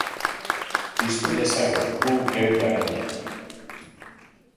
Piztu dezagun gu geu garena.